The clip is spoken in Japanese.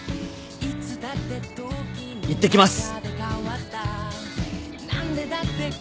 いってきます。